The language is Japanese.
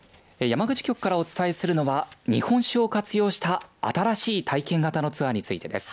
山口局からお伝えするのは日本酒を活用した新しい体験型のツアーについてです。